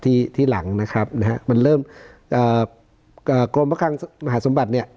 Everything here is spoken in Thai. ที่ที่หลังนะครับนะฮะมันเริ่มเอ่อกรมพระคังมหาสมบัติเนี่ย